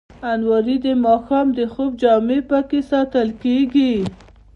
الماري د ماښام د خوب جامې پکې ساتل کېږي